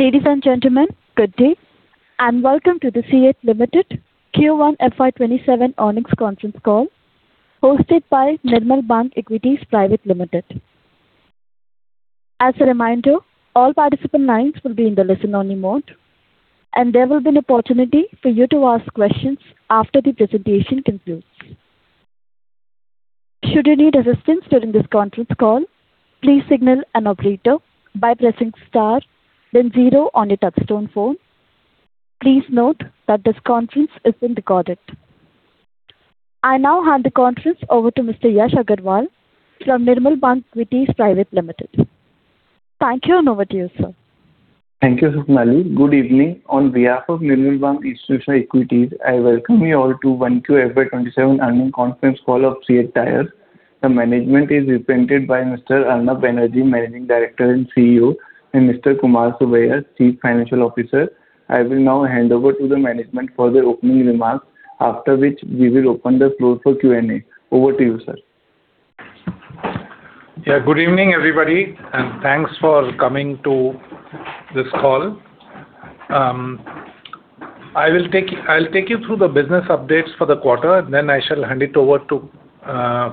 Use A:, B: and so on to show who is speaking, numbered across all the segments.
A: Ladies and gentlemen, good day, and welcome to the CEAT Limited Q1 FY 2027 earnings conference call, hosted by Nirmal Bang Equities Private Limited. As a reminder, all participant lines will be in the listen-only mode, and there will be an opportunity for you to ask questions after the presentation concludes. Should you need assistance during this conference call, please signal an operator by pressing star then zero on your touch-tone phone. Please note that this conference is being recorded. I now hand the conference over to Mr. Yash Agarwal from Nirmal Bang Equities Private Limited. Thank you, and over to you, sir.
B: Thank you, Suknalu. Good evening. On behalf of Nirmal Bang Institutional Equities, I welcome you all to 1Q FY 2027 earnings conference call of CEAT Tyres. The management is represented by Mr. Arnab Banerjee, Managing Director and CEO, and Mr. Kumar Subbiah, Chief Financial Officer. I will now hand over to the management for their opening remarks, after which, we will open the floor for Q&A. Over to you, sir.
C: Good evening, everybody, thanks for coming to this call. I'll take you through the business updates for the quarter. Then, I shall hand it over to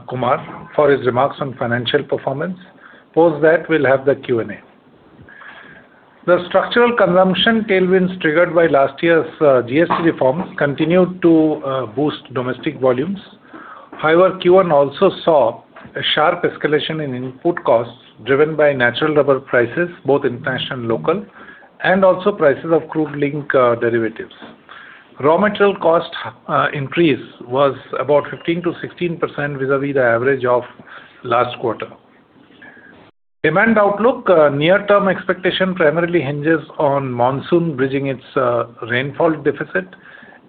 C: Kumar for his remarks on financial performance. Post that, we'll have the Q&A. The structural consumption tailwinds triggered by last year's GST reforms continued to boost domestic volumes. However, Q1 also saw a sharp escalation in input costs, driven by natural rubber prices, both international and local, and also prices of crude link derivatives. Raw material cost increase was about 15%-16% vis-à-vis the average of last quarter. Demand outlook, near-term expectation primarily hinges on monsoon bridging its rainfall deficit.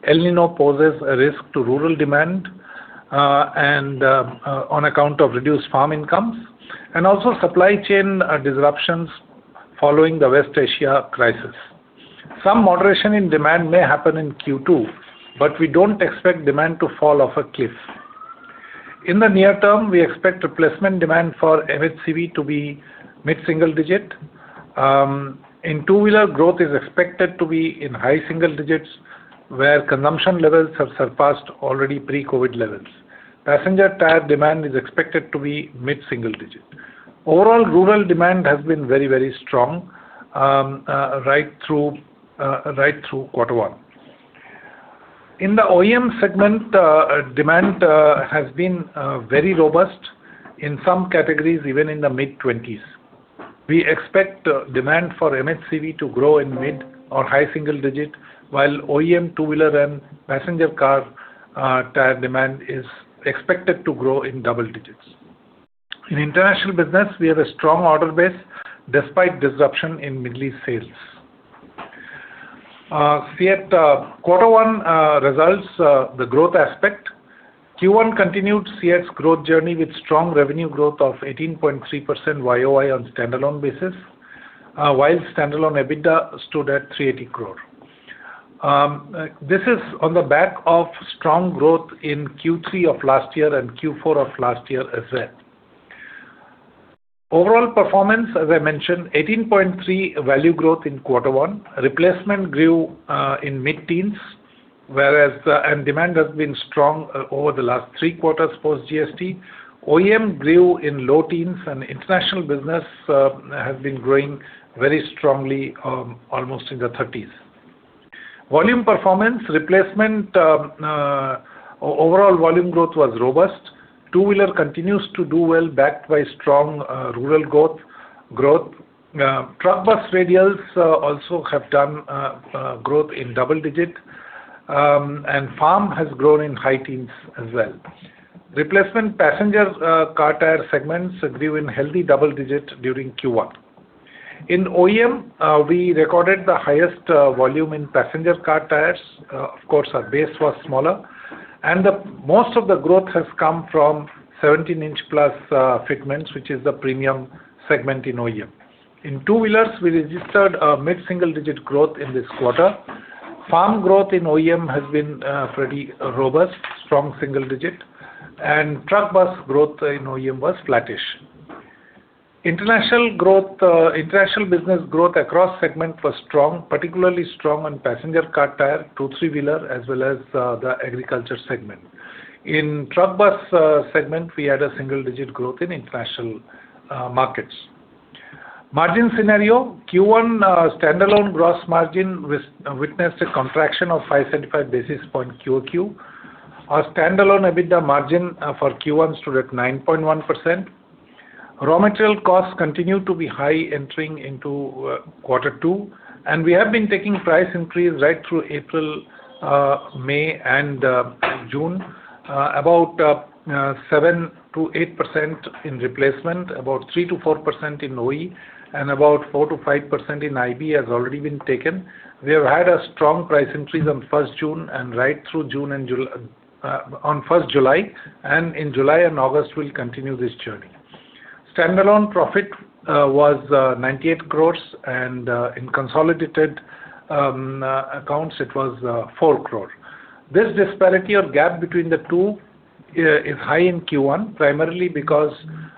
C: El Niño poses a risk to rural demand on account of reduced farm incomes, and also, supply chain disruptions following the West Asia crisis. Some moderation in demand may happen in Q2, but we don't expect demand to fall off a cliff. In the near term, we expect replacement demand for MHCV to be mid-single digit. In two-wheeler, growth is expected to be in high single digits, where consumption levels have surpassed already pre-COVID levels. Passenger tire demand is expected to be mid-single digit. Overall, rural demand has been very, very strong right through quarter one. In the OEM segment, demand has been very robust in some categories even in the mid-20s. We expect demand for MHCV to grow in mid or high single digit, while OEM two-wheeler and passenger car tire demand is expected to grow in double digits. In international business, we have a strong order base despite disruption in Middle East sales. CEAT quarter one results, the growth aspect. Q1 continued CEAT's growth journey with strong revenue growth of 18.3% YoY on standalone basis, while standalone EBITDA stood at 380 crore. This is on the back of strong growth in Q3 of last year and Q4 of last year as well. Overall performance, as I mentioned, 18.3% value growth in quarter one. Replacement grew in mid-teens, and demand has been strong over the last three quarters post GST. OEM grew in low teens, and international business has been growing very strongly, almost in the 30s. Volume performance, replacement, overall volume growth was robust. Two-wheeler continues to do well, backed by strong rural growth. Truck bus radials also have done growth in double digit, and farm has grown in high teens as well. Replacement passenger car tire segments grew in healthy double digit during Q1. In OEM, we recorded the highest volume in passenger car tires. Of course, our base was smaller, and most of the growth has come from 17-in+ segments, which is the premium segment in OEM. In two-wheelers, we registered a mid-single-digit growth in this quarter. Farm growth in OEM has been pretty robust, strong single digit, and truck bus growth in OEM was flattish. International business growth across segment was strong, particularly strong on passenger car tire, two-, three-wheeler, as well as the agriculture segment. In truck bus segment, we had a single-digit growth in international markets. Margin scenario, Q1 standalone gross margin witnessed a contraction of 575 basis points QoQ. Our standalone EBITDA margin for Q1 stood at 9.1%. Raw material costs continue to be high entering into quarter two, and we have been taking price increase right through April, May, and June. About 7%-8% in replacement, about 3%-4% in OEM, and about 4%-5% in IB has already been taken. We have had a strong price increase on 1st June, and right through June, on 1st July, and in July and August, we'll continue this journey. Standalone profit was 98 crore, and in consolidated accounts, it was 4 crore. This disparity or gap between the two is high in Q1, primarily because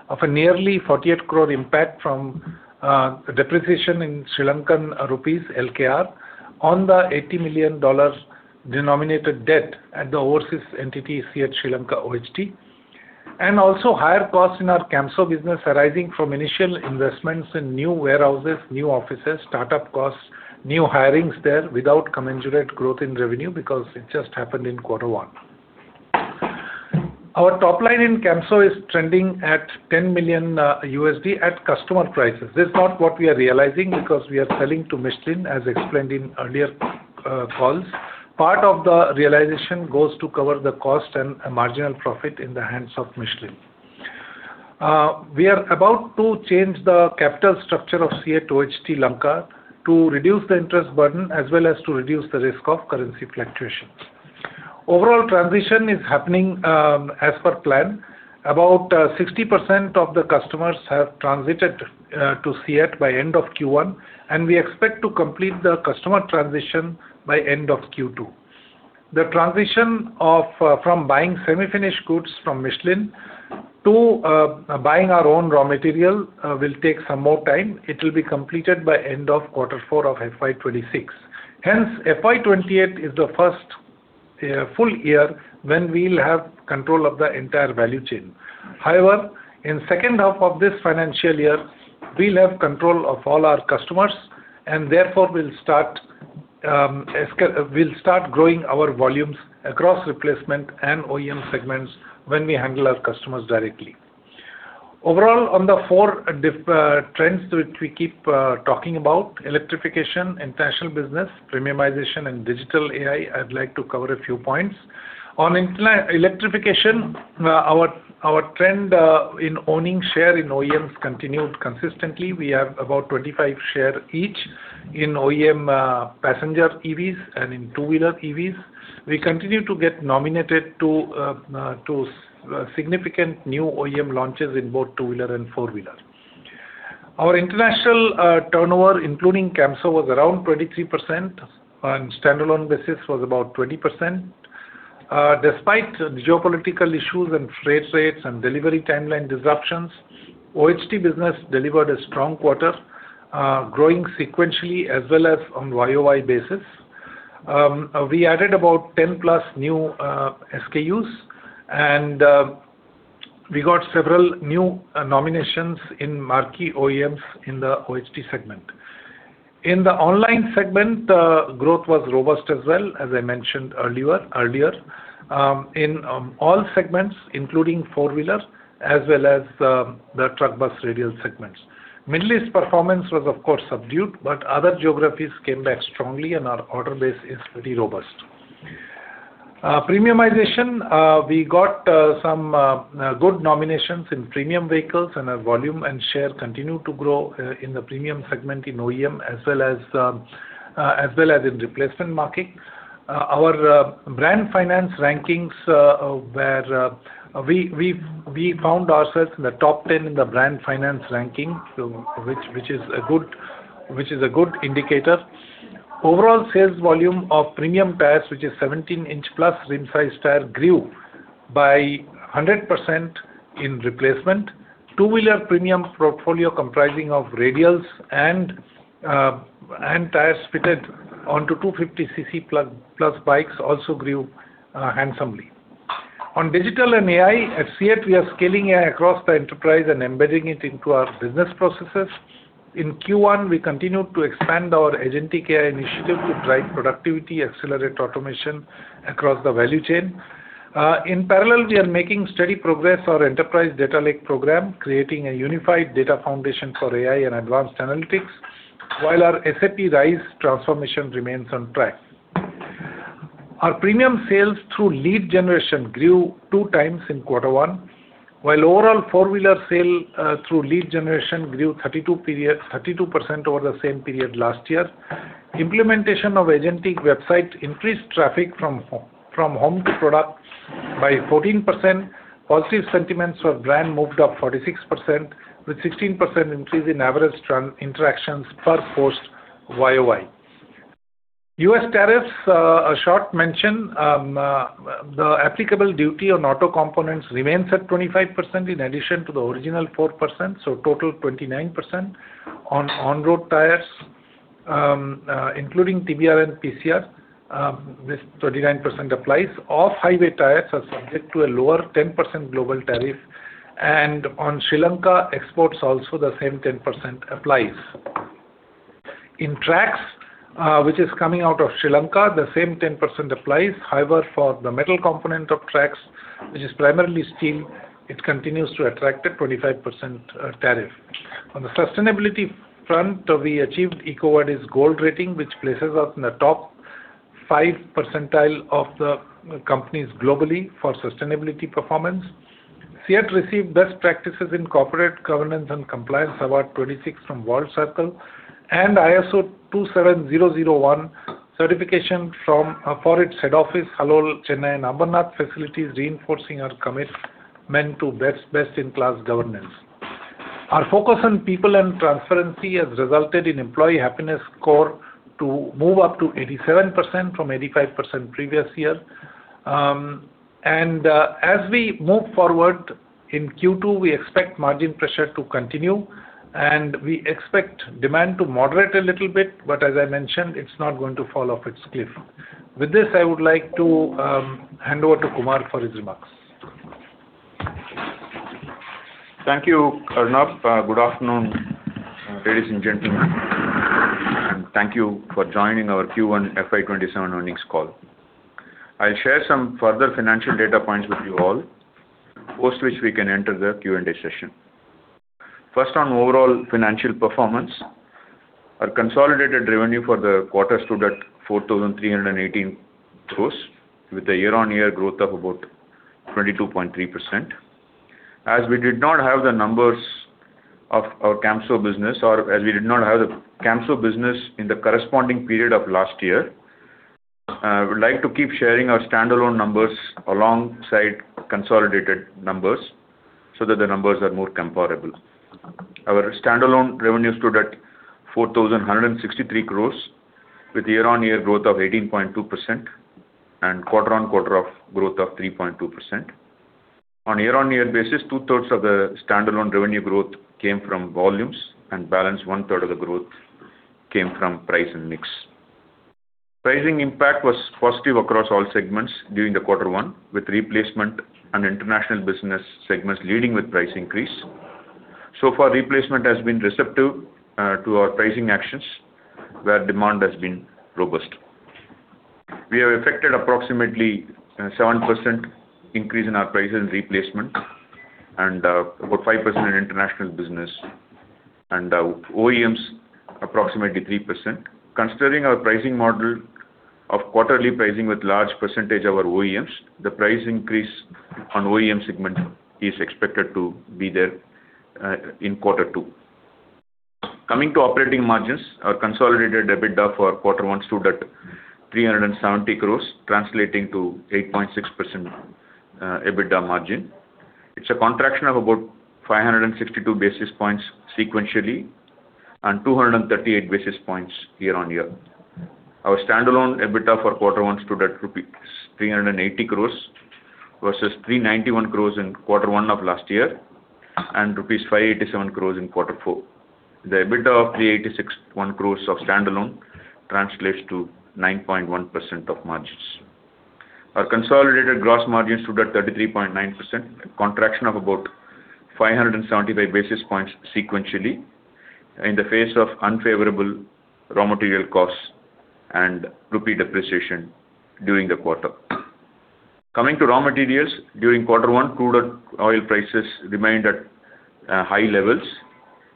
C: of a nearly 48 crore impact from depreciation in Sri Lankan rupees, LKR, on the $80 million denominated debt at the overseas entity, CEAT Sri Lanka OHT. Also, higher costs in our Camso business arising from initial investments in new warehouses, new offices, startup costs, new hirings there without commensurate growth in revenue because it just happened in quarter one. Our top line in Camso is trending at $10 million at customer prices. This is not what we are realizing because we are selling to Michelin, as explained in earlier calls. Part of the realization goes to cover the cost and marginal profit in the hands of Michelin. We are about to change the capital structure of CEAT OHT Lanka to reduce the interest burden as well as to reduce the risk of currency fluctuations. Overall transition is happening as per plan. About 60% of the customers have transited to CEAT by end of Q1, and we expect to complete the customer transition by end of Q2. The transition from buying semi-finished goods from Michelin to buying our own raw material will take some more time. It will be completed by end of quarter four of FY 2026. Hence, FY 2028 is the first full year when we'll have control of the entire value chain. However, in second half of this financial year, we'll have control of all our customers and therefore, we'll start growing our volumes across replacement and OEM segments when we handle our customers directly. Overall, on the four trends which we keep talking about, electrification, international business, premiumization, and digital AI, I'd like to cover a few points. On electrification, our trend in owning share in OEMs continued consistently. We have about 25% share each in OEM passenger EVs and in two-wheeler EVs. We continue to get nominated to significant new OEM launches in both two-wheeler and four-wheeler. Our international turnover, including Camso, was around 23%, on standalone basis was about 20%. Despite geopolitical issues and freight rates and delivery timeline disruptions, OHT business delivered a strong quarter, growing sequentially as well as on YoY basis. We added about 10+ new SKUs, and we got several new nominations in marquee OEMs in the OHT segment. In the online segment, growth was robust as well, as I mentioned earlier, in all segments, including four-wheeler as well as the truck bus radial segments. Middle East performance was of course subdued, but other geographies came back strongly, and our order base is pretty robust. Premiumization, we got some good nominations in premium vehicles and our volume and share continued to grow in the premium segment in OEM, as well as in replacement marquee. Our Brand Finance rankings, we found ourselves in the top 10 in the Brand Finance ranking, which is a good indicator. Overall sales volume of premium tires, which is 17-in+ rim size tire, grew by 100% in replacement. Two-wheeler premium portfolio comprising of radials and tires fitted onto 250cc plus bikes also grew handsomely. On digital and AI, at CEAT, we are scaling AI across the enterprise and embedding it into our business processes. In Q1, we continued to expand our agentic AI initiative to drive productivity, accelerate automation across the value chain. In parallel, we are making steady progress on our enterprise data lake program, creating a unified data foundation for AI and advanced analytics, while our SAP RISE transformation remains on track. Our premium sales through lead generation grew 2x in quarter one, while overall four-wheeler sale through lead generation grew 32% over the same period last year. Implementation of agentic website increased traffic from home to product by 14%. Positive sentiments for brand moved up 46%, with 16% increase in average interactions per post YoY. U.S. tariffs, a short mention. The applicable duty on auto components remains at 25% in addition to the original 4%, so total 29%, on on-road tires, including TBR and PCR, this 29% applies. Off-highway tires are subject to a lower 10% global tariff, and on Sri Lanka exports, also the same 10% applies. In tracks, which is coming out of Sri Lanka, the same 10% applies. However, for the metal component of tracks, which is primarily steel, it continues to attract a 25% tariff. On the sustainability front, we achieved EcoVadis Gold Rating, which places us in the top five percentile of the companies globally for sustainability performance. CEAT Received Best Practices in Corporate Governance and Compliance Award 2026 from VaultCircle and ISO 27001 certification for its head office, Halol, Chennai, and Ambernath facilities, reinforcing our commitment to best-in-class governance. Our focus on people and transparency has resulted in employee happiness score to move up to 87% from 85% previous year. As we move forward in Q2, we expect margin pressure to continue, and we expect demand to moderate a little bit, but as I mentioned, it's not going to fall off its cliff. With this, I would like to hand over to Kumar for his remarks.
D: Thank you, Arnab. Good afternoon, ladies and gentlemen, and thank you for joining our Q1 FY 2027 earnings call. I will share some further financial data points with you all, post which we can enter the Q&A session. First, on overall financial performance. Our consolidated revenue for the quarter stood at 4,318 crore, with a year-on-year growth of about 22.3%. As we did not have the numbers of our Camso business, or as we did not have the Camso business in the corresponding period of last year, I would like to keep sharing our standalone numbers alongside consolidated numbers so that the numbers are more comparable. Our standalone revenue stood at 4,163 crore with year-on-year growth of 18.2% and quarter-on-quarter growth of 3.2%. On year-on-year basis, 2/3 of the standalone revenue growth came from volumes and balance 1/3 of the growth came from price and mix. Pricing impact was positive across all segments during quarter one, with replacement and international business segments leading with price increase. So far, replacement has been receptive to our pricing actions where demand has been robust. We have affected approximately 7% increase in our prices in replacement and about 5% in international business and OEMs approximately 3%. Considering our pricing model of quarterly pricing with large percentage of our OEMs, the price increase on OEM segment is expected to be there in quarter two. Coming to operating margins, our consolidated EBITDA for quarter one stood at 370 crore, translating to 8.6% EBITDA margin. It's a contraction of about 562 basis points sequentially and 238 basis points year-on-year. Our standalone EBITDA for quarter one stood at rupees 380 crore versus 391 crore in quarter one of last year and rupees 587 crore in quarter four. The EBITDA of 380 crore of standalone translates to 9.1% of margins. Our consolidated gross margin stood at 33.9%, a contraction of about 575 basis points sequentially in the face of unfavorable raw material costs and rupee depreciation during the quarter. Coming to raw materials, during quarter one, crude oil prices remained at high levels.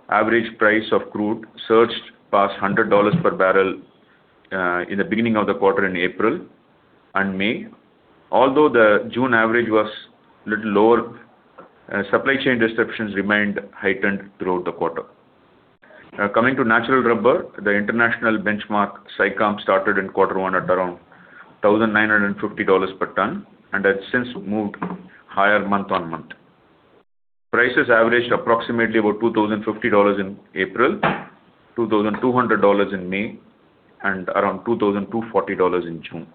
D: Average price of crude surged past $100/bbl in the beginning of the quarter in April and May. Although the June average was a little lower, supply chain disruptions remained heightened throughout the quarter. Coming to natural rubber, the international benchmark SICOM started in quarter one at around $1,950/ton and has since moved higher month-on-month. Prices averaged approximately about $2,050 in April, $2,200 in May, and around $2,240 in June.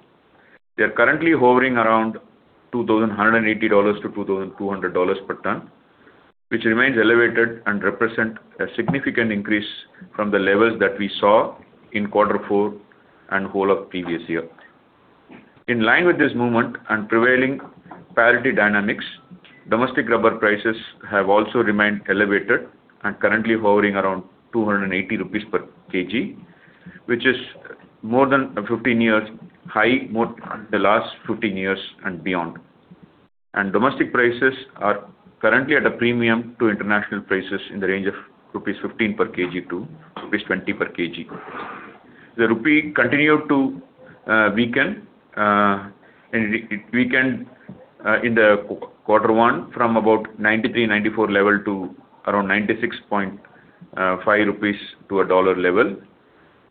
D: They are currently hovering around $2,180/ton-$2,200/ton, which remains elevated and represent a significant increase from the levels that we saw in quarter four and whole of previous year. In line with this movement and prevailing parity dynamics, domestic rubber prices have also remained elevated and currently hovering around 280 rupees/kg, which is more than a 15-year high, more than the last 15 years and beyond. Domestic prices are currently at a premium to international prices in the range of 15/kg-20 rupees/kg. The rupee continued to weaken in the quarter one from about 93-94 level to around 96.5 rupees to $1 level.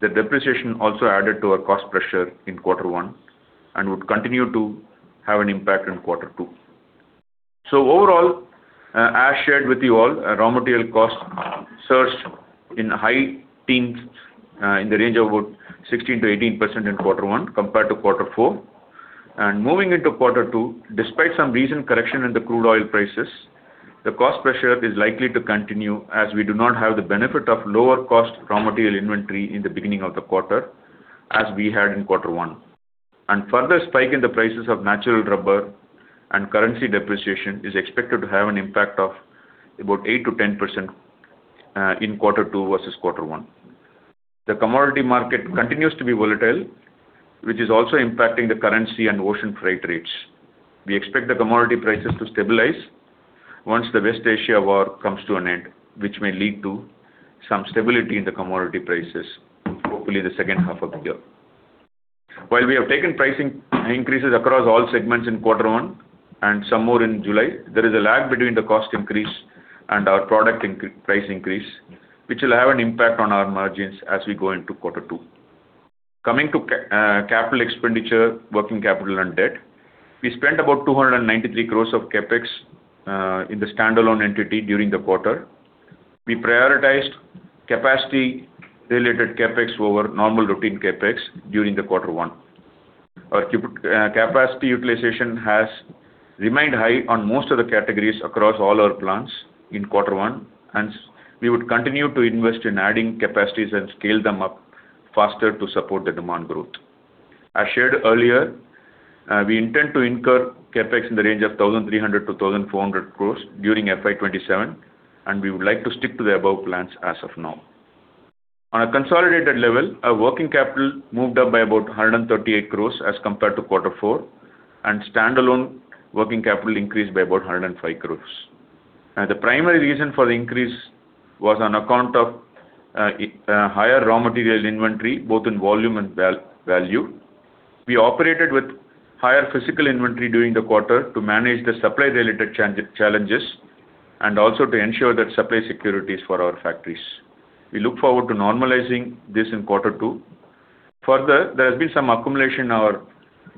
D: The depreciation also added to our cost pressure in quarter one and would continue to have an impact in quarter two. Overall, as shared with you all, raw material costs surged in high teens, in the range of about 16%-18% in quarter one compared to quarter four. Moving into quarter two, despite some recent correction in the crude oil prices, the cost pressure is likely to continue as we do not have the benefit of lower cost raw material inventory in the beginning of the quarter as we had in quarter one. Further spike in the prices of natural rubber and currency depreciation is expected to have an impact of about 8%-10% in quarter two versus quarter one. The commodity market continues to be volatile, which is also impacting the currency and ocean freight rates. We expect the commodity prices to stabilize once the West Asia war comes to an end, which may lead to some stability in the commodity prices, hopefully the second half of the year. While we have taken pricing increases across all segments in quarter one and some more in July, there is a lag between the cost increase and our product price increase, which will have an impact on our margins as we go into quarter two. Coming to capital expenditure, working capital and debt. We spent about 293 crore of CapEx in the standalone entity during the quarter. We prioritized capacity-related CapEx over normal routine CapEx during the quarter one. Our capacity utilization has remained high on most of the categories across all our plants in quarter one, and we would continue to invest in adding capacities and scale them up faster to support the demand growth. As shared earlier, we intend to incur CapEx in the range of 1,300 crore-1,400 crore during FY 2027, and we would like to stick to the above plans as of now. On a consolidated level, our working capital moved up by about 138 crore as compared to quarter four, and standalone working capital increased by about 105 crore. The primary reason for the increase was on account of higher raw material inventory, both in volume and value. We operated with higher physical inventory during the quarter to manage the supply-related challenges, and also to ensure that supply security is for our factories. We look forward to normalizing this in quarter two. Further, there has been some accumulation our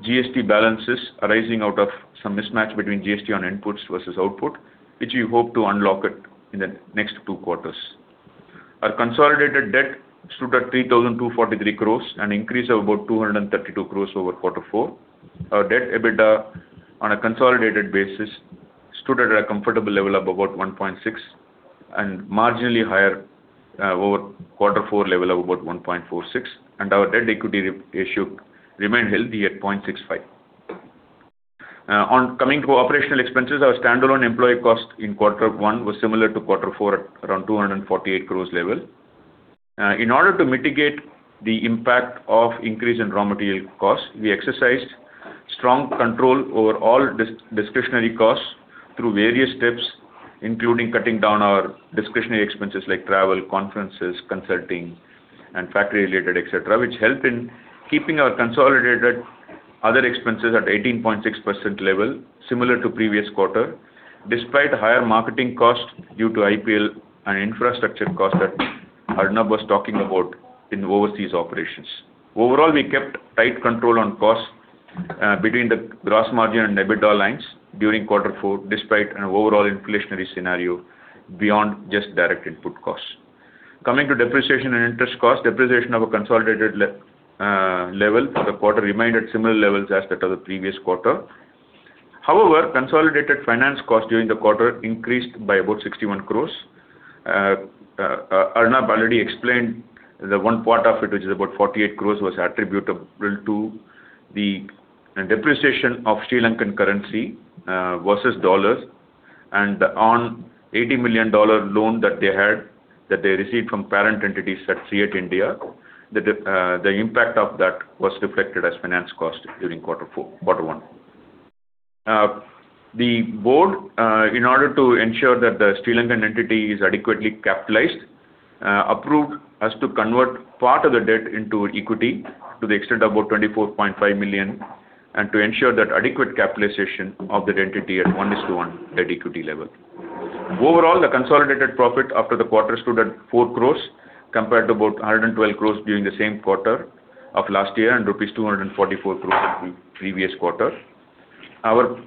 D: GST balances arising out of some mismatch between GST on inputs versus output, which we hope to unlock it in the next two quarters. Our consolidated debt stood at 3,243 crore, an increase of about 232 crore over quarter four. Our debt-EBITDA on a consolidated basis stood at a comfortable level of about 1.6x and marginally higher over quarter four level of about 1.46x and our debt-equity ratio remained healthy at 0.65x. Coming to operational expenses, our standalone employee cost in quarter one was similar to quarter four at around 248 crore level. In order to mitigate the impact of increase in raw material cost, we exercised strong control over all discretionary costs through various steps, including cutting down our discretionary expenses like travel, conferences, consulting, and factory-related et cetera, which helped in keeping our consolidated other expenses at 18.6% level similar to previous quarter, despite higher marketing cost due to IPL and infrastructure cost that Arnab was talking about in the overseas operations. Overall, we kept tight control on cost between the gross margin and EBITDA lines during quarter four, despite an overall inflationary scenario beyond just direct input costs. Coming to depreciation and interest cost, depreciation of a consolidated level for the quarter remained at similar levels as that of the previous quarter. However, consolidated finance cost during the quarter increased by about 61 crore. Arnab already explained the one part of it, which is about 48 crore, was attributable to the depreciation of Sri Lankan currency versus dollars and on $80 million loan that they received from parent entities at CEAT India. The impact of that was reflected as finance cost during quarter one. The board, in order to ensure that the Sri Lankan entity is adequately capitalized, approved as to convert part of the debt into equity to the extent of about $24.5 million, and to ensure that adequate capitalization of that entity at 1:1 debt-equity level. Overall, the consolidated profit after the quarter stood at 4 crore, compared to about 112 crore during the same quarter of last year and rupees 244 crore the previous quarter. Our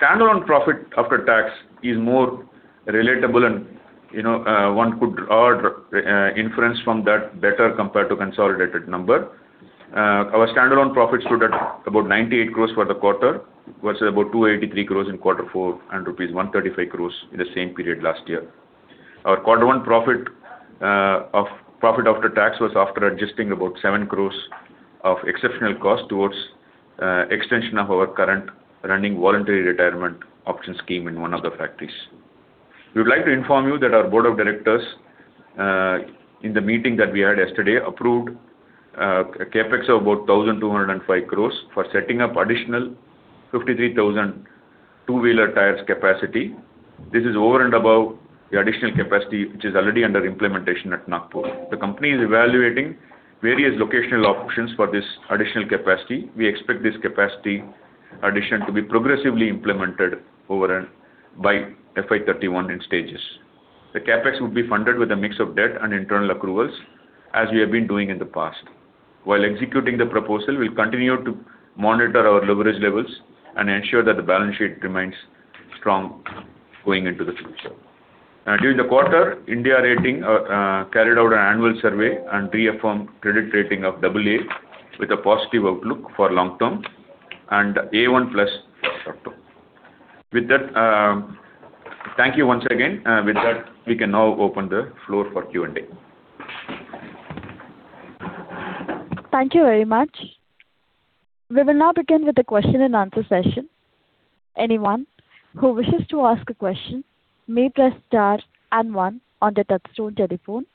D: standalone profit after tax is more relatable and one could draw inference from that better compared to consolidated number. Our standalone profit stood at about 98 crore for the quarter versus about 283 crore in quarter four and rupees 135 crore in the same period last year. Our quarter one profit after tax was after adjusting about 7 crore of exceptional cost towards extension of our current running voluntary retirement option scheme in one of the factories. We would like to inform you that our Board of Directors, in the meeting that we had yesterday, approved a CapEx of about 1,205 crore for setting up additional 53,000 two-wheeler tires capacity. This is over and above the additional capacity which is already under implementation at Nagpur. The company is evaluating various locational options for this additional capacity. We expect this capacity addition to be progressively implemented over and by FY 2031 in stages. The CapEx would be funded with a mix of debt and internal accruals as we have been doing in the past. While executing the proposal, we'll continue to monitor our leverage levels and ensure that the balance sheet remains strong going into the future. During the quarter, India Rating carried out an annual survey and reaffirmed credit rating of AA with a positive outlook for long-term and A1+ for short-term. Thank you once again. With that, we can now open the floor for Q&A.
A: Thank you very much. We will now begin with the question-and-answer session. Anyone who wishes to ask a question may press star and one on their touch-tone telephone.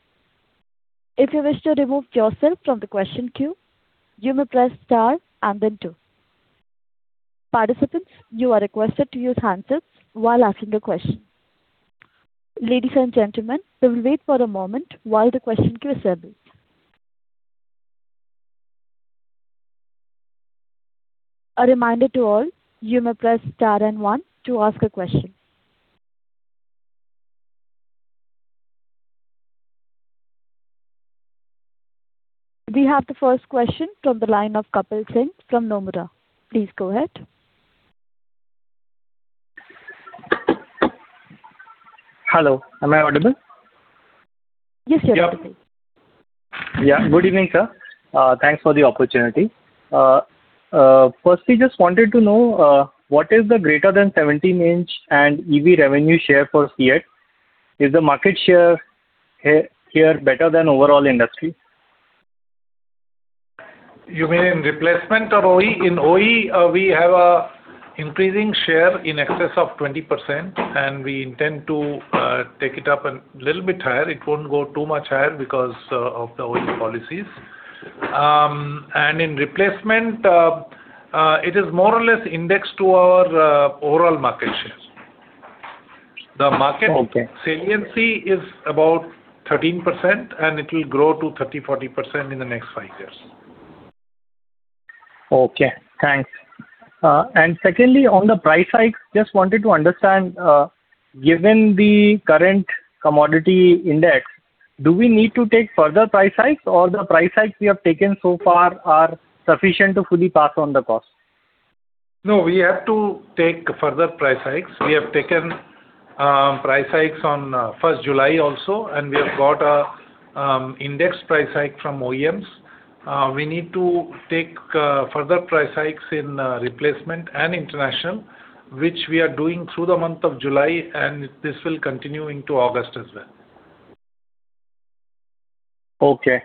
A: If you wish to remove yourself from the question queue, you may press star and then two. Participants, you are requested to use handsets while asking a question. Ladies and gentlemen, we will wait for a moment while the question queue is serviced. A reminder to all, you may press star and one to ask a question. We have the first question from the line of Kapil Singh from Nomura. Please go ahead.
E: Hello, am I audible?
A: Yes, you are audible.
C: Yeah.
E: Yeah. Good evening, sir. Thanks for the opportunity. Firstly, just wanted to know what is the greater than 17 in and EV revenue share for CEAT? Is the market share here better than overall industry?
C: You mean in replacement or OE? In OE, we have an increasing share in excess of 20%, and we intend to take it up a little bit higher. It won't go too much higher because of the OE policies. In replacement, it is more or less indexed to our overall market shares.
E: Okay.
C: The market saliency is about 13%, and it will grow to 30%, 40% in the next five years.
E: Okay, thanks. Secondly, on the price hike, just wanted to understand, given the current commodity index, do we need to take further price hikes, or the price hikes we have taken so far are sufficient to fully pass on the cost?
C: No, we have to take further price hikes. We have taken price hikes on 1st July also, and we have got an index price hike from OEMs. We need to take further price hikes in replacement and international, which we are doing through the month of July, and this will continue into August as well.
E: Okay.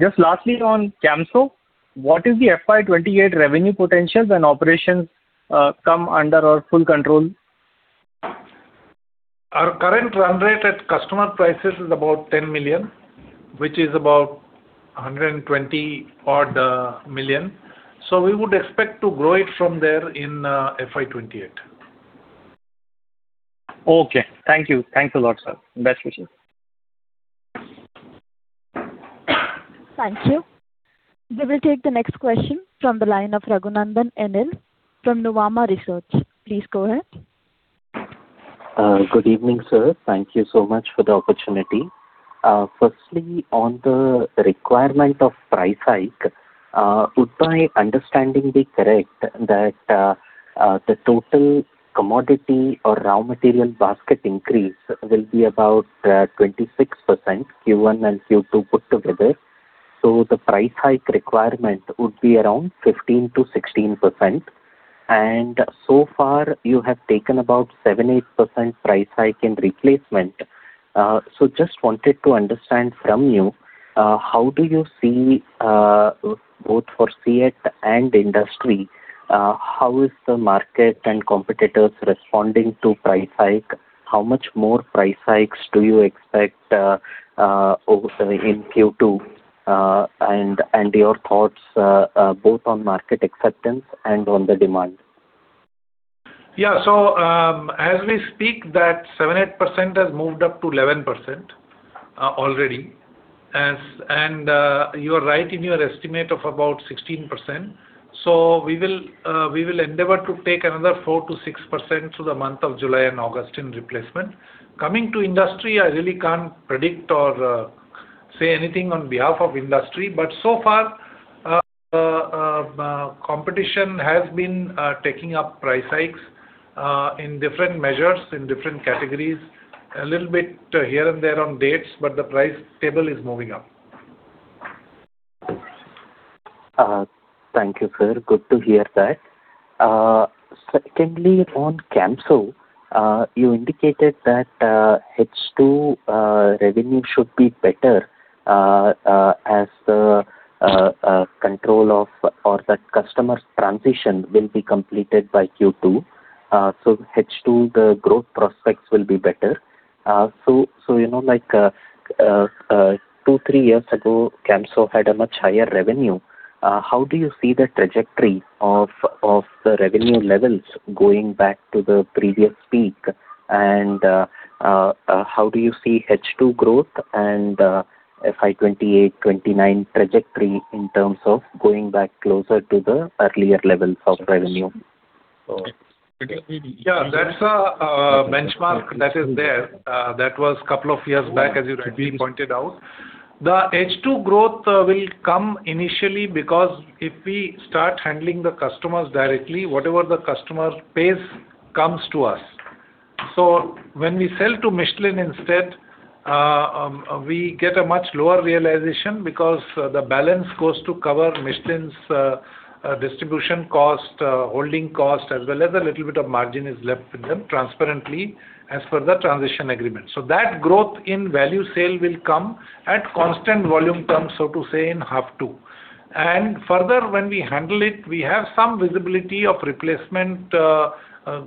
E: Just lastly on Camso, what is the FY 2028 revenue potential when operations come under our full control?
C: Our current run rate at customer prices is about $10 million, which is about 120-odd million. We would expect to grow it from there in FY 2028.
E: Okay. Thank you. Thanks a lot, sir. Best wishes.
A: Thank you. We will take the next question from the line of Raghunandhan NL from Nuvama Research. Please go ahead.
F: Good evening, sir. Thank you so much for the opportunity. Firstly, on the requirement of price hike, would my understanding be correct that the total commodity or raw material basket increase will be about 26%, Q1 and Q2 put together, so the price hike requirement would be around 15%-16%? So far, you have taken about 7%-8% price hike in replacement. Just wanted to understand from you, how do you see, both for CEAT and industry, how is the market and competitors responding to price hike? How much more price hikes do you expect in Q2? And your thoughts, both on market acceptance and on the demand.
C: Yeah. As we speak, that 7%-8% has moved up to 11% already. You are right in your estimate of about 16%. We will endeavor to take another 4%-6% through the month of July and August in replacement. Coming to industry, I really can't predict or say anything on behalf of industry. But so far, competition has been taking up price hikes in different measures, in different categories, a little bit here and there on dates, but the price table is moving up.
F: Thank you, sir. Good to hear that. Secondly, on Camso, you indicated that H2 revenue should be better as the customer's transition will be completed by Q2. So, H2, the growth prospects will be better. So, you know, like, two, three years ago, Camso had a much higher revenue. How do you see the trajectory of the revenue levels going back to the previous peak, and how do you see H2 growth and FY 2028, 2029 trajectory in terms of going back closer to the earlier levels of revenue?
C: Yeah, that's a benchmark that is there. That was couple of years back, as you rightly pointed out. The H2 growth will come initially because if we start handling the customers directly, whatever the customer pays comes to us. So, when we sell to Michelin instead, we get a much lower realization because the balance goes to cover Michelin's distribution cost, holding cost, as well as a little bit of margin is left with them transparently as per the transition agreement. That growth in value sale will come at constant volume terms, so to say, in half two. Further, when we handle it, we have some visibility of replacement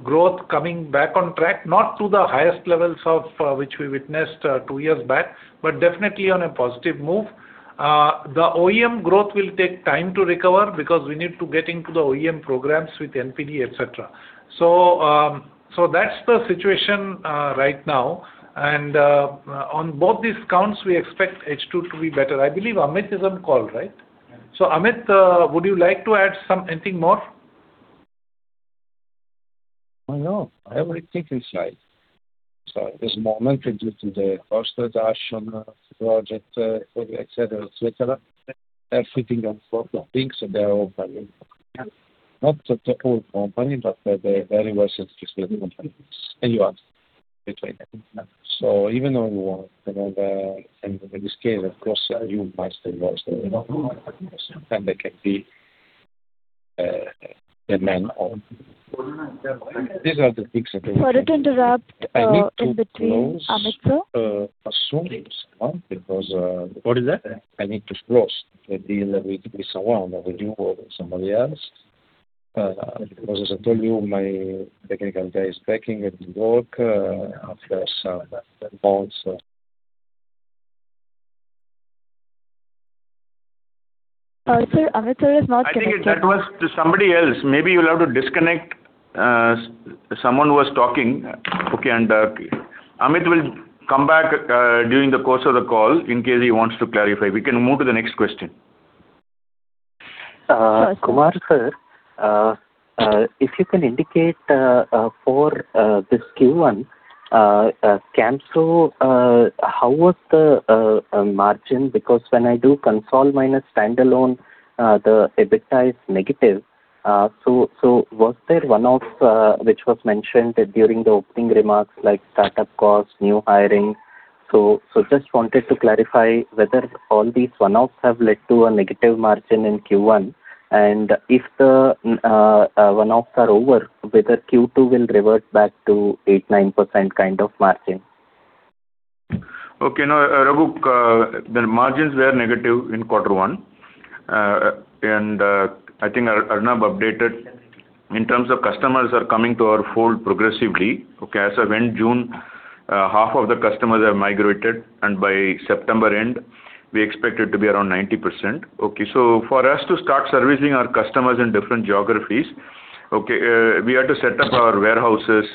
C: growth coming back on track, not to the highest levels of which we witnessed two years back, but definitely on a positive move. The OEM growth will take time to recover because we need to get into the OEM programs with NPD, et cetera. That's the situation right now. On both these counts, we expect H2 to be better. I believe Amit is on call, right? Amit, would you like to add anything more?
G: I know. Everything is like. At this moment, due to the cost reduction project, et cetera, et cetera, everything. Not the whole company, but they're very well-situated company, and you are between them. So, even though you are, in this case, of course, you must invest and they can be the man of. These are the things that we.
A: Sorry to interrupt in between Amit, sir.
G: I need to close assuming someone.
D: What is that?
G: I need to close the deal with someone, with you or somebody else. As I told you, my technical guy is packing at work.
A: Sir, Amit, sir is not connecting.
D: I think that was to somebody else. Maybe, you will have to disconnect, someone who was talking. Okay. And Amit will come back during the course of the call in case he wants to clarify. We can move to the next question.
A: Sure, sir.
F: Kumar sir, if you can indicate for this Q1, Camso, how was the margin? Because when I do consol minus standalone, the EBITDA is negative. Was there one-off which was mentioned during the opening remarks like startup cost, new hiring? Just wanted to clarify whether all these one-offs have led to a negative margin in Q1, and if the one-offs are over, whether Q2 will revert back to 8%, 9% kind of margin.
D: Okay. No, Raghu, the margins were negative in quarter one. I think Arnab updated in terms of customers are coming to our fold progressively. Okay. As of end June, half of the customers have migrated, and by September end, we expect it to be around 90%. Okay. For us to start servicing our customers in different geographies, we had to set up our warehouses,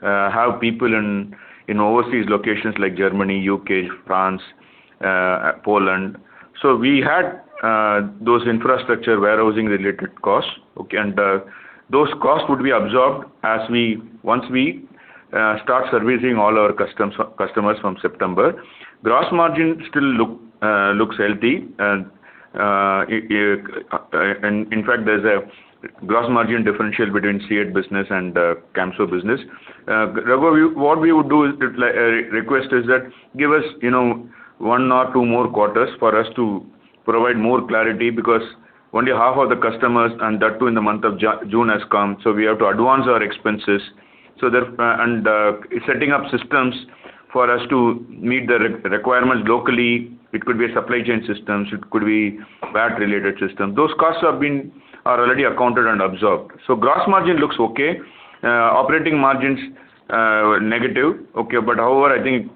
D: have people in overseas locations like Germany, U.K., France, Poland. We had those infrastructure warehousing-related costs. Those costs would be absorbed once we start servicing all our customers from September. Gross margin still looks healthy. In fact, there is a gross margin differential between CEAT business and Camso business. Raghu, what we would request is that give us one or two more quarters for us to provide more clarity, because only half of the customers, and that too in the month of June has come, so we have to advance our expenses. Setting up systems for us to meet the requirements locally, it could be a supply chain system, it could be VAT-related system. Those costs are already accounted and absorbed. Gross margin looks okay. Operating margin's negative. However, I think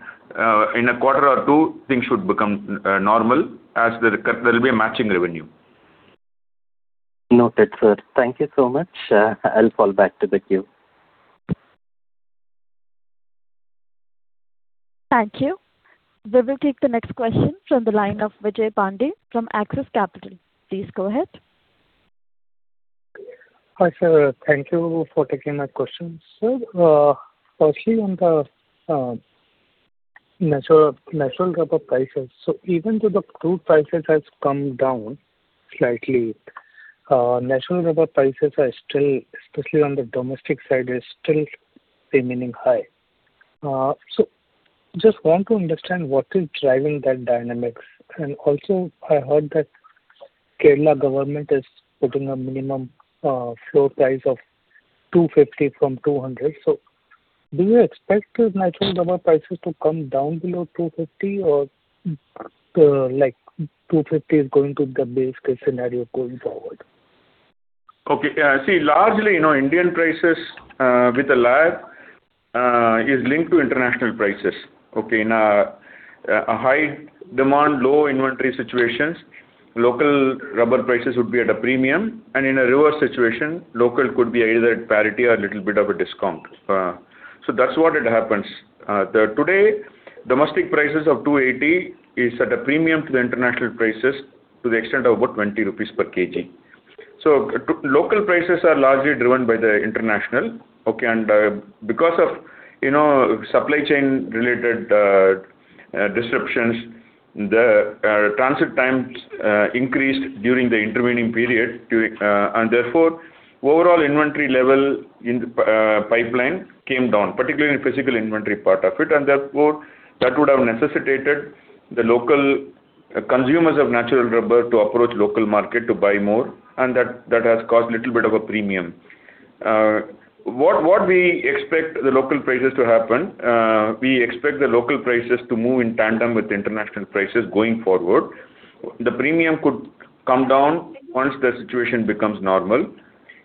D: in a quarter or two, things should become normal as there will be a matching revenue.
F: Noted, sir. Thank you so much. I'll fall back to the queue.
A: Thank you. We will take the next question from the line of Vijay Pandey from Axis Capital. Please go ahead.
H: Hi, sir. Thank you for taking my questions. Sir, firstly on the natural rubber prices. Even though the crude prices has come down slightly, natural rubber prices are still, especially on the domestic side, is still remaining high. Just want to understand what is driving that dynamic. Also, I heard that Kerala government is putting a minimum floor price of 250 from 200. Do you expect natural rubber prices to come down below 250 or 250 is going to be the base case scenario going forward?
D: Largely, Indian prices with a lag, is linked to international prices. In a high demand, low inventory situations, local rubber prices would be at a premium, and in a reverse situation, local could be either at parity or a little bit of a discount. That's what it happens. Today, domestic prices of 280 is at a premium to the international prices to the extent of about 20 rupees/kg. Local prices are largely driven by the international. Because of supply chain-related disruptions, the transit times increased during the intervening period, therefore, overall inventory level in the pipeline came down, particularly in physical inventory part of it. Therefore, that would have necessitated the local consumers of natural rubber to approach local market to buy more, and that has caused little bit of a premium. What we expect the local prices to happen, we expect the local prices to move in tandem with the international prices going forward. The premium could come down once the situation becomes normal.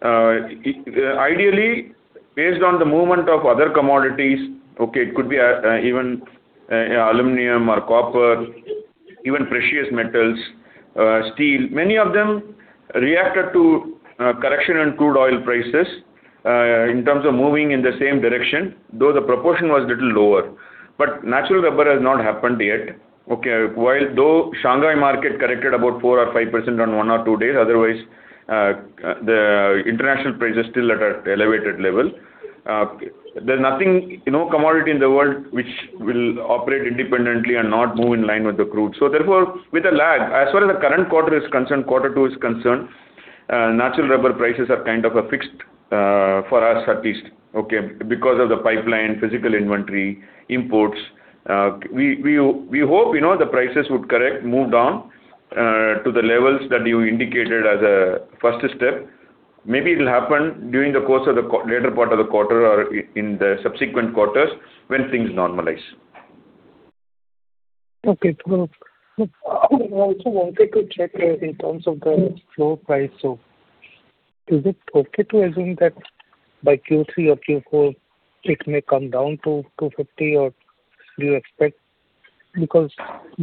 D: Ideally, based on the movement of other commodities, it could be even aluminum or copper, even precious metals, steel, many of them reacted to correction in crude oil prices in terms of moving in the same direction, though the proportion was little lower. But natural rubber has not happened yet. Though Shanghai market corrected about 4% or 5% on one or two days, otherwise, the international price is still at an elevated level. There's no commodity in the world which will operate independently and not move in line with the crude. Therefore, with a lag, as far as the current quarter is concerned, quarter two is concerned, natural rubber prices are kind of fixed for us at least. Because of the pipeline, physical inventory, imports. We hope the prices would correct, move down to the levels that you indicated as a first step. Maybe it'll happen during the course of the later part of the quarter or in the subsequent quarters when things normalize.
H: Okay. I also wanted to check in terms of the floor price. Is it okay to assume that by Q3 or Q4 it may come down to 250, or do you expect, because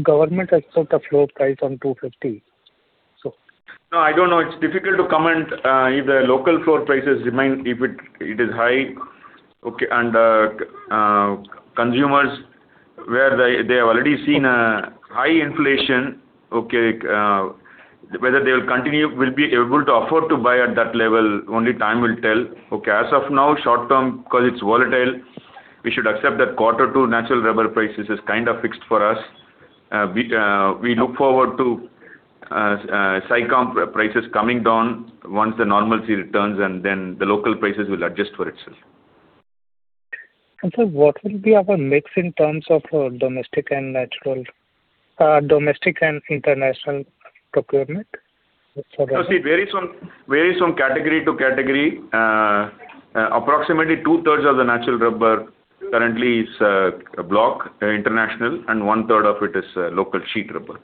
H: government has put a floor price on 250?
D: No, I don't know. It's difficult to comment if the local floor prices remain, if it is high. Consumers, where they have already seen a high inflation, okay, whether they will be able to afford to buy at that level, only time will tell. As of now, short term, because it's volatile, we should accept that quarter two natural rubber prices is kind of fixed for us. We look forward to SICOM prices coming down once the normalcy returns, and then the local prices will adjust for itself.
H: Sir, what will be our mix in terms of domestic and international procurement?
D: Varies from category to category. Approximately 2/3 of the natural rubber currently is block international, and 1/3 of it is local sheet rubber.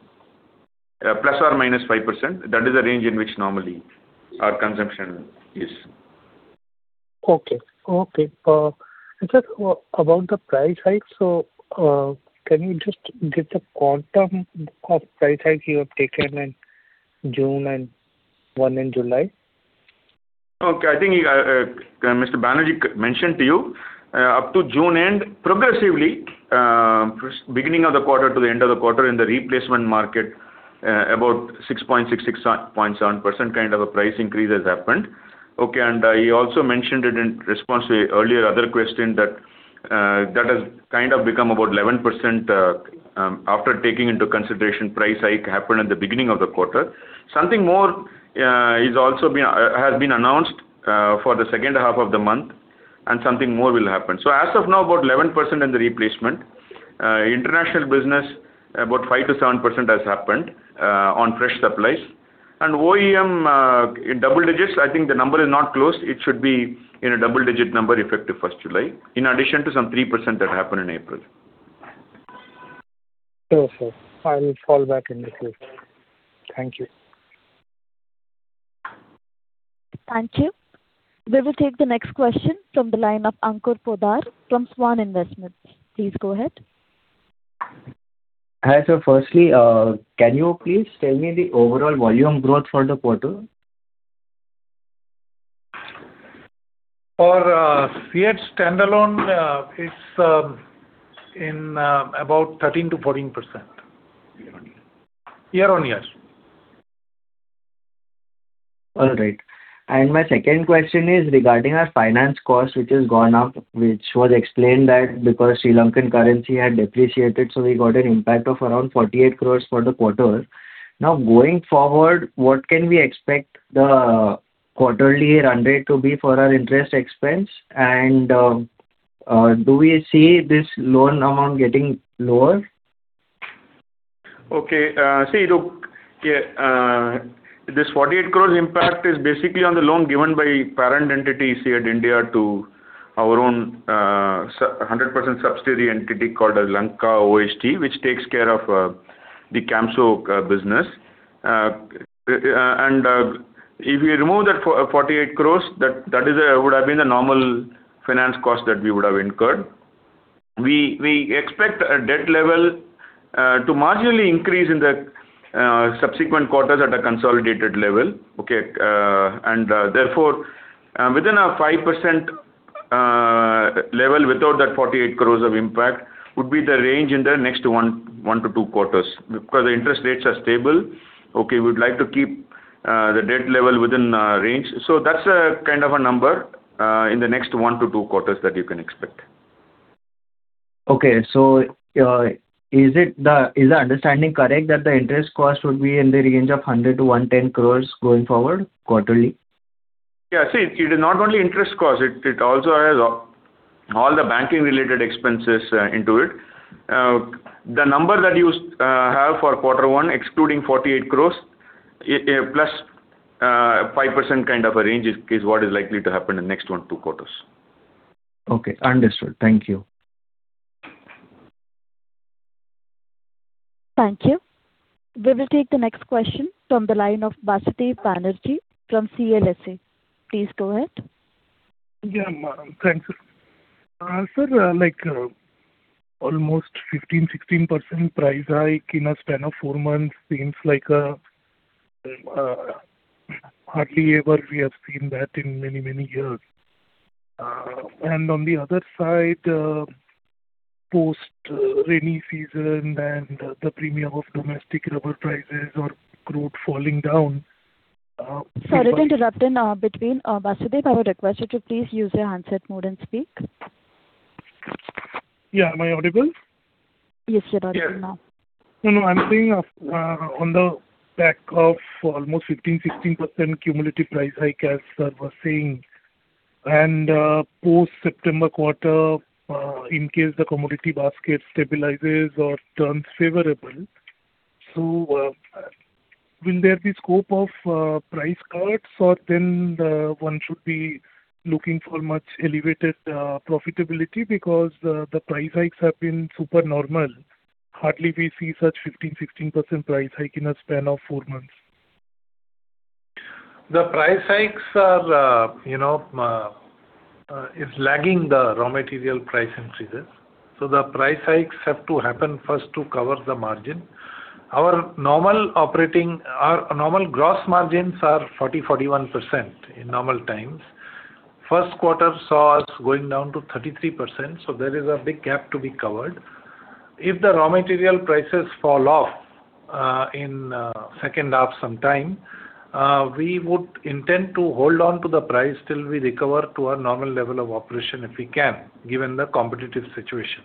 D: ±5%, that is the range in which normally our consumption is.
H: Okay. Sir, about the price hike, can you just give the quantum of price hike you have taken in June and one in July?
D: Okay. I think Mr. Banerjee mentioned to you, up to June end, progressively, beginning of the quarter to the end of the quarter in the replacement market, about 6.667% kind of a price increase has happened, okay? He also mentioned it in response to your earlier other question that has kind of become about 11% after taking into consideration price hike happened at the beginning of the quarter. Something more has been announced for the second half of the month and something more will happen. As of now, about 11% in the replacement. International business, about 5%-7% has happened on fresh supplies. And OEM, in double digits. I think the number is not closed. It should be in a double-digit number effective 1st July, in addition to some 3% that happened in April.
H: Sure, sir. I will fall back in the queue. Thank you.
A: Thank you. We will take the next question from the line of Ankur Poddar from Svan Investments. Please go ahead.
I: Hi sir. Firstly, can you please tell me the overall volume growth for the quarter?
D: For CEAT standalone, it is about 13%-14%.
I: Year-on-year?
D: Year-on-year.
I: All right. My second question is regarding our finance cost, which has gone up, which was explained that because Sri Lankan currency had depreciated, so we got an impact of around 48 crore for the quarter. Going forward, what can we expect the quarterly run rate to be for our interest expense? And do we see this loan amount getting lower?
D: Okay. This 48 crore impact is basically on the loan given by parent entity CEAT India to our own 100% subsidiary entity called the Lanka OHT, which takes care of the Camso business. If we remove that 48 crore, that would have been the normal finance cost that we would have incurred. We expect a debt level to marginally increase in the subsequent quarters at a consolidated level. Okay? Therefore, within a 5% level, without that 48 crore of impact, would be the range in the next one to two quarters, because the interest rates are stable. Okay? We would like to keep the debt level within range. That's a kind of a number, in the next one to two quarters that you can expect.
I: Okay. Is the understanding correct that the interest cost would be in the range of 100 crore-110 crore going forward quarterly?
D: Yeah. It is not only interest cost, it also has all the banking-related expenses into it. The number that you have for quarter one, excluding 48 crore, +5% kind of a range is what is likely to happen in next one to two quarters.
I: Okay, understood. Thank you.
A: Thank you. We will take the next question from the line of Basudeb Banerjee from CLSA. Please go ahead.
J: Yeah, madam. Thanks. Sir, like almost 15%, 16% price hike in a span of four months seems like a, hardly ever we have seen that in many, many years. On the other side, post rainy season and the premium of domestic rubber prices or crude falling down.
A: Sorry to interrupt in between, Basudeb, I would request you to please use your handset mode and speak.
J: Yeah. Am I audible?
A: Yes, you're audible now.
J: I'm saying on the back of almost 15%-16% cumulative price hike as sir was saying, post September quarter, in case the commodity basket stabilizes or turns favorable, will there be scope of price cuts or one should be looking for much elevated profitability because the price hikes have been super normal? Hardly we see such 15%-16% price hike in a span of four months.
C: The price hikes is lagging the raw material price increases. The price hikes have to happen first to cover the margin. Our normal gross margins are 40%, 41% in normal times. First quarter saw us going down to 33%, so there is a big gap to be covered. If the raw material prices fall off in second half sometime, we would intend to hold on to the price till we recover to our normal level of operation if we can, given the competitive situation.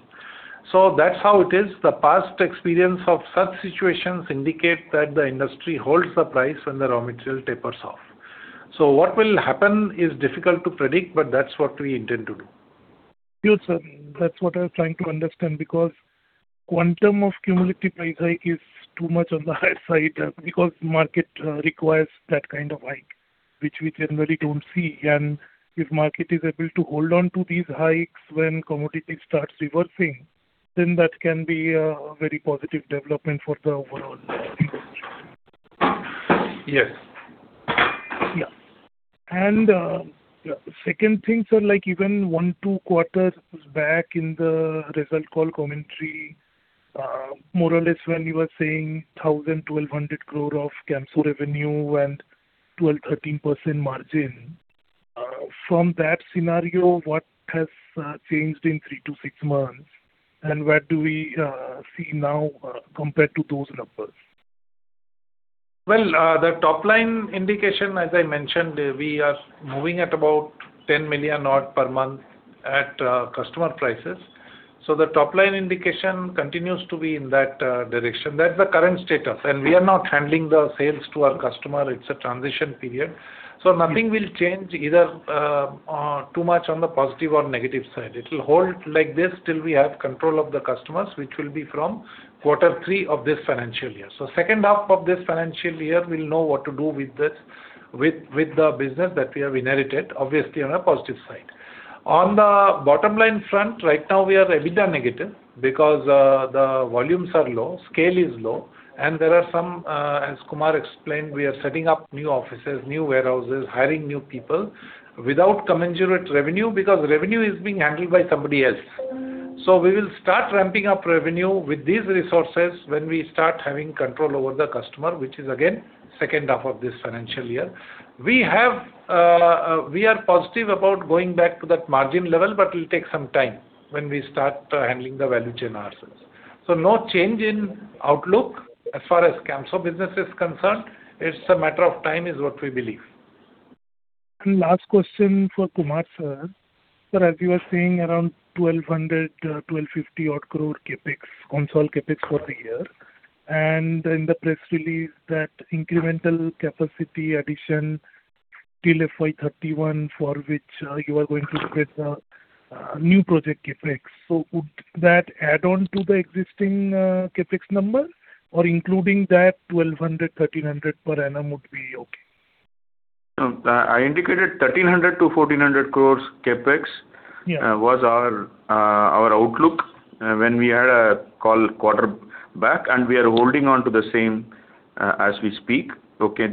C: That's how it is. The past experience of such situations indicate that the industry holds the price when the raw material tapers off. What will happen is difficult to predict, but that's what we intend to do.
J: Sure, sir. That's what I was trying to understand because quantum of cumulative price hike is too much on the higher side because market requires that kind of hike, which we generally don't see. If market is able to hold on to these hikes when commodity starts reversing, then that can be a very positive development for the overall industry.
C: Yes.
J: Yeah. Second thing, sir, like even one, two quarters back in the result call commentary, more or less when you were saying 1,000, 1,200 crore of Camso revenue and 12%, 13% margin. From that scenario, what has changed in three to six months and where do we see now compared to those numbers?
C: Well, the top-line indication, as I mentioned, we are moving at about 10 million-odd per month at customer prices. The top-line indication continues to be in that direction. That's the current status. We are not handling the sales to our customer, it's a transition period. Nothing will change either too much on the positive or negative side. It'll hold like this till we have control of the customers, which will be from quarter three of this financial year. Second half of this financial year, we'll know what to do with the business that we have inherited, obviously on a positive side. On the bottom line front, right now, we are EBITDA negative because the volumes are low, scale is low, and there are some, as Kumar explained, we are setting up new offices, new warehouses, hiring new people without commensurate revenue because revenue is being handled by somebody else. We will start ramping up revenue with these resources when we start having control over the customer, which is again, second half of this financial year. We are positive about going back to that margin level, but it'll take some time when we start handling the value chain ourselves. So, no change in outlook as far as Camso business is concerned. It's a matter of time is what we believe.
J: Last question for Kumar, sir. Sir, as you were saying around 1,200, 1,250-odd crore CapEx, consol CapEx for the year, and in the press release that incremental capacity addition till FY 2031 for which you are going to create a new project CapEx, would that add on to the existing CapEx number or including that 1,200, 1,300 per annum would be okay?
D: I indicated 1,300 crore-1,400 crore CapEx.
J: Yeah.
D: Was our outlook when we had a call quarter back, and we are holding on to the same as we speak. Okay.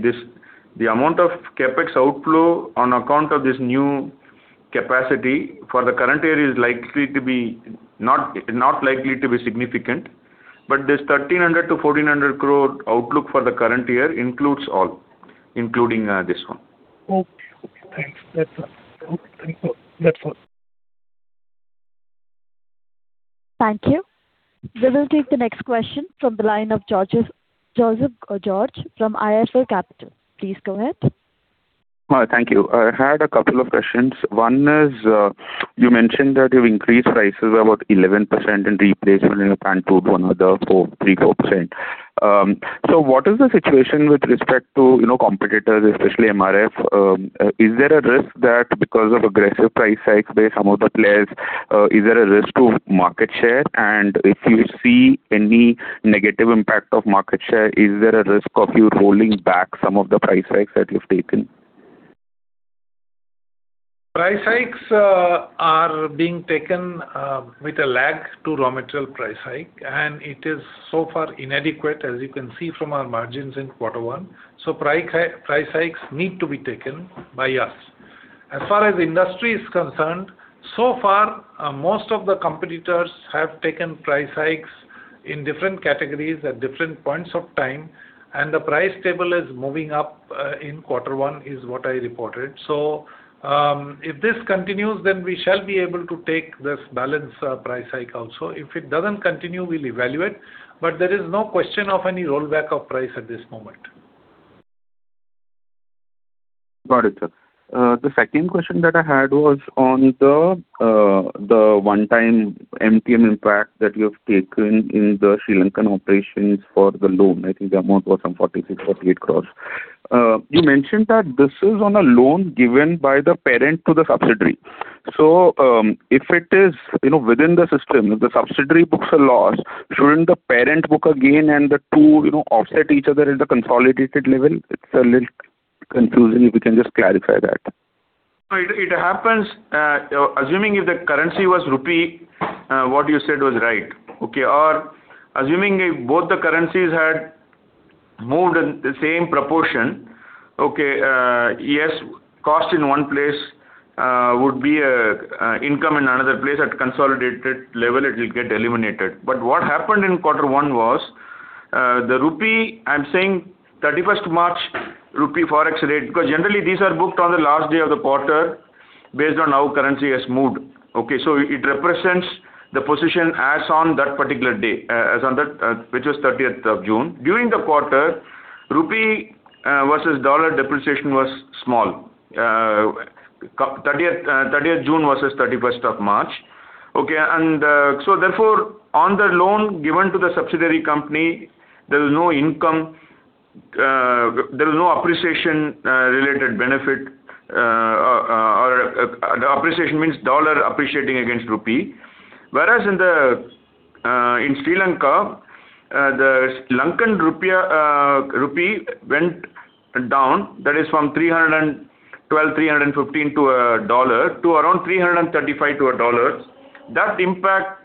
D: The amount of CapEx outflow on account of this new capacity for the current year is not likely to be significant, but this 1,300 crore-1,400 crore outlook for the current year includes all, including this one.
J: Okay, thanks. That's all.
A: Thank you. We will take the next question from the line of Joseph George from IIFL Capital. Please go ahead.
K: Hi. Thank you. I had a couple of questions. One is you mentioned that you've increased prices about 11% and replacement in a plant two to another 3%-4%. What is the situation with respect to competitors, especially MRF? Is there a risk that because of aggressive price hikes by some of the players, is there a risk to market share? And if you see any negative impact of market share, is there a risk of you rolling back some of the price hikes that you've taken?
C: Price hikes are being taken with a lag to raw material price hike, and it is so far inadequate, as you can see from our margins in quarter one. So, price hikes need to be taken by us. As far as industry is concerned, so far, most of the competitors have taken price hikes in different categories at different points of time, and the price table is moving up in quarter one, is what I reported. If this continues, then we shall be able to take this balance price hike also. If it doesn't continue, we'll evaluate, but there is no question of any rollback of price at this moment.
K: Got it, sir. The second question that I had was on the one-time MTM impact that you have taken in the Sri Lankan operations for the loan. I think the amount was some 46 crore, 48 crore. You mentioned that this is on a loan given by the parent to the subsidiary. If it is within the system, if the subsidiary books a loss, shouldn't the parent book a gain and the two offset each other at the consolidated level? It's a little confusing, if you can just clarify that.
D: No, it happens. Assuming if the currency was rupee, what you said was right. Okay. Assuming if both the currencies had moved in the same proportion, okay, yes, cost in one place would be income in another place. At consolidated level, it will get eliminated. But what happened in quarter one was, the rupee, I'm saying 31st March, rupee forex rate, because generally these are booked on the last day of the quarter based on how currency has moved. Okay, so it represents the position as on that particular day, which was 30th of June. During the quarter, rupee versus dollar depreciation was small, 30th June versus 31st of March. Okay. Therefore, on the loan given to the subsidiary company, there is no income, there is no appreciation-related benefit. Appreciation means dollar appreciating against rupee. Whereas, in Sri Lanka, the Sri Lankan rupee went down, that is from LKR 312, LKR 315 to $1, to around LKR 335 to $1. That impact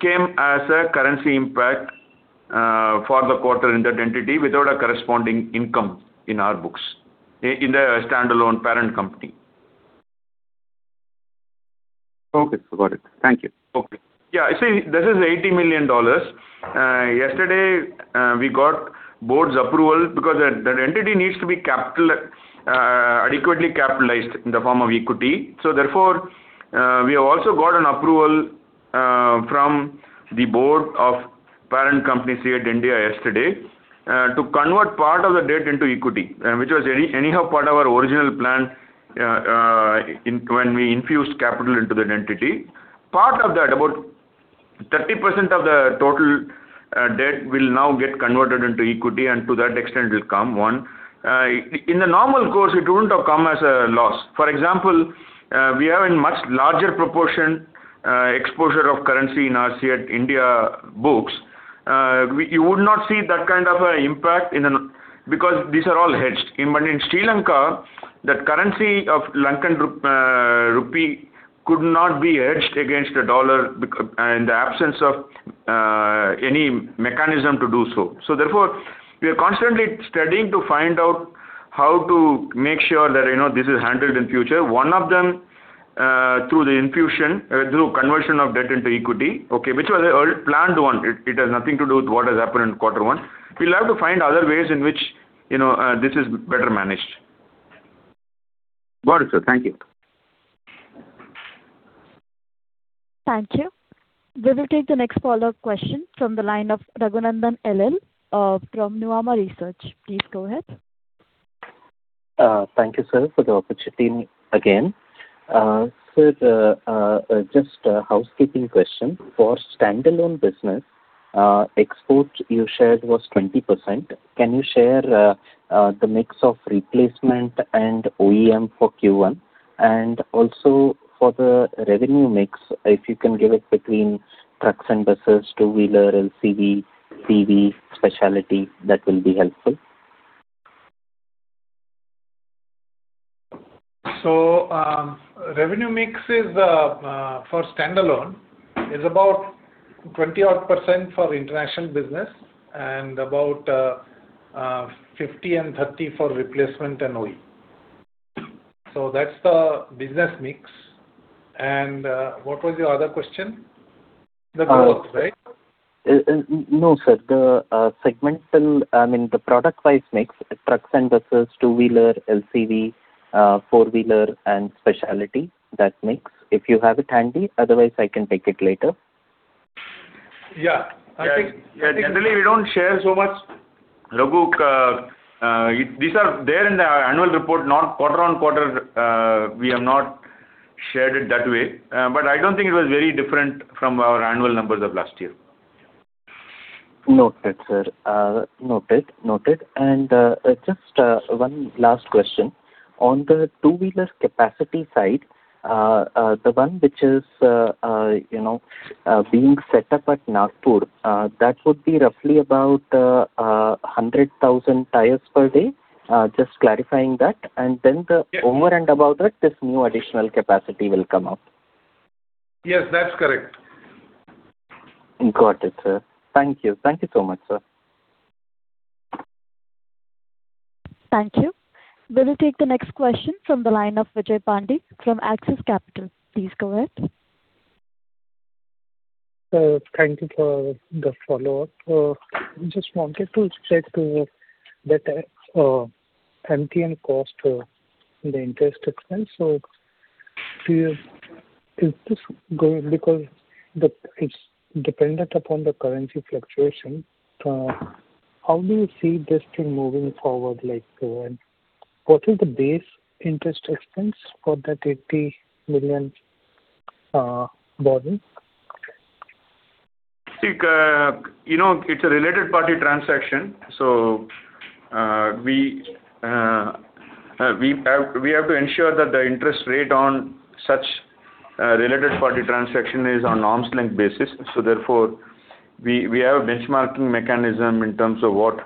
D: came as a currency impact for the quarter in that entity without a corresponding income in our books, in the standalone parent company.
K: Okay, got it. Thank you.
D: Okay. This is $80 million. Yesterday, we got board's approval because that entity needs to be adequately capitalized in the form of equity. Therefore, we have also got an approval from the board of parent company, CEAT India, yesterday, to convert part of the debt into equity, which was anyhow part of our original plan when we infused capital into that entity. Part of that, about 30% of the total debt will now get converted into equity, and to that extent will come, one. In the normal course, it wouldn't have come as a loss. For example, we have a much larger proportion exposure of currency in our CEAT India books. You would not see that kind of an impact, because these are all hedged. In Sri Lanka, that currency of Sri Lankan rupee could not be hedged against the dollar in the absence of any mechanism to do so. Therefore, we are constantly studying to find out how to make sure that this is handled in future. One of them, through the infusion, through conversion of debt into equity, okay, which was a planned one. It has nothing to do with what has happened in quarter one. We'll have to find other ways in which this is better managed.
K: Got it, sir. Thank you.
A: Thank you. We will take the next follow-up question from the line of Raghunandhan NL from Nuvama Research. Please go ahead.
F: Thank you, sir, for the opportunity again. Sir, just a housekeeping question. For standalone business, exports you shared was 20%. Can you share the mix of replacement and OEM for Q1? Also, for the revenue mix, if you can give it between trucks and buses, two-wheeler, LCV, CV, specialty, that will be helpful.
D: Revenue mix for standalone is about 20-odd% for international business and about 50% and 30% for replacement and OE. That's the business mix. And what was your other question? The growth, right?
F: No, sir. The product-wise mix, trucks and buses, two-wheeler, LCV, four-wheeler and specialty. That mix. If you have it handy, otherwise I can take it later.
D: Yeah. I think.
C: Yeah, generally we don't share so much, Raghu. These are there in the annual report, not quarter-on-quarter. We have not shared it that way. But I don't think it was very different from our annual numbers of last year.
F: Noted, sir. Noted. Just one last question. On the two-wheeler capacity side, the one which is being set up at Nagpur, that would be roughly about 100,000 tires per day? Just clarifying that. Then over and above that, this new additional capacity will come up.
C: Yes, that's correct.
F: Got it, sir. Thank you. Thank you so much, sir.
A: Thank you. We will take the next question from the line of Vijay Pandey from Axis Capital. Please go ahead.
H: Thank you for the follow-up. I just wanted to check better MTM cost, the interest expense. So, because it's dependent upon the currency fluctuation, how do you see this thing moving forward? What is the base interest expense for that $80 million borrowing?
D: I think, you know, it's a related party transaction. We have to ensure that the interest rate on such a related party transaction is on arm's length basis. Therefore, we have a benchmarking mechanism in terms of what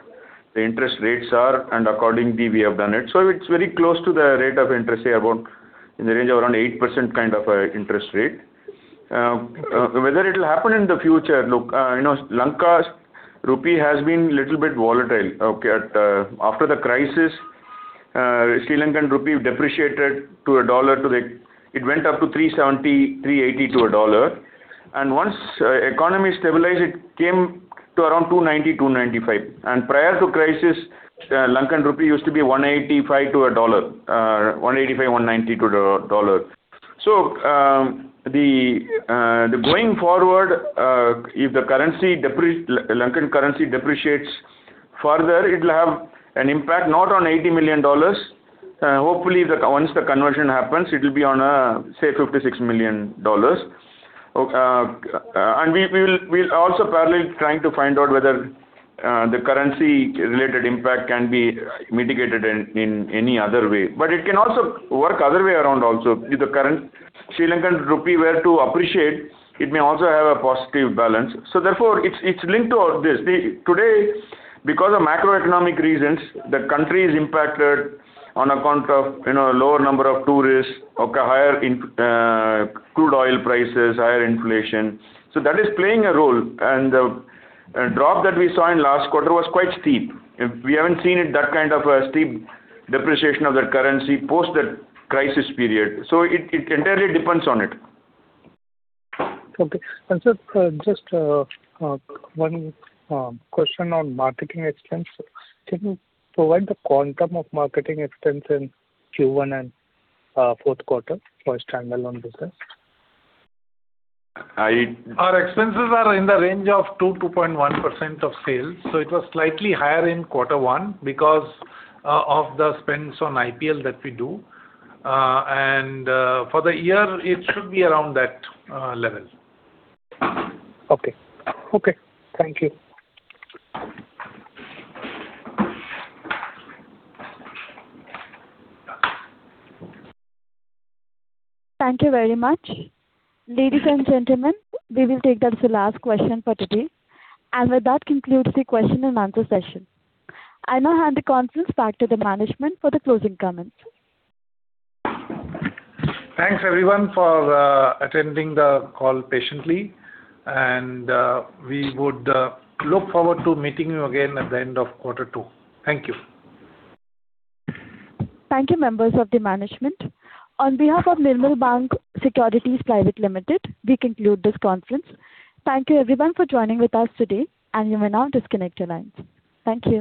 D: the interest rates are, and accordingly, we have done it. It's very close to the rate of interest, say, about in the range of around 8% kind of interest rate. Whether it'll happen in the future, look, Sri Lankan rupee has been little bit volatile. After the crisis, Sri Lankan rupee depreciated to a dollar. It went up to LKR 370, LKR 380 to $1. Once economy stabilized, it came to around LKR 290, LKR 295. Prior to crisis, Sri Lankan rupee used to be LKR 185 to $1. LKR 185, LKR 190 to $1. Going forward, if the Sri Lankan currency depreciates further, it'll have an impact not on $80 million. Hopefully, once the conversion happens, it'll be on, say, $56 million. We'll also parallel trying to find out whether the currency-related impact can be mitigated in any other way. It can also work other way around also. If the Sri Lankan rupee were to appreciate, it may also have a positive balance. Therefore, it's linked to all this. Today, because of macroeconomic reasons, the country is impacted on account of lower number of tourists, higher crude oil prices, higher inflation. That is playing a role, and the drop that we saw in last quarter was quite steep. We haven't seen it that kind of a steep depreciation of their currency post that crisis period. It entirely depends on it.
H: Okay. Just one question on marketing expense. Can you provide the quantum of marketing expense in Q1 and fourth quarter for standalone business?
D: Our expenses are in the range of 2%-2.1% of sales. It was slightly higher in quarter one because of the spends on IPL that we do. For the year, it should be around that level.
H: Okay. Thank you.
A: Thank you very much. Ladies and gentlemen, we will take that as the last question for today. With that concludes the question-and-answer session. I now hand the conference back to the management for the closing comments.
C: Thanks everyone for attending the call patiently. We would look forward to meeting you again at the end of quarter two. Thank you.
A: Thank you, members of the management. On behalf of Nirmal Bang Securities Private Limited, we conclude this conference. Thank you everyone for joining with us today, and you may now disconnect your lines. Thank you.